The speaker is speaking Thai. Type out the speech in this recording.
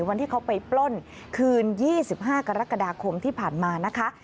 วันที่เขาไปปล้นคืน๒๕กรกฎาคมที่ผ่านมานะคะ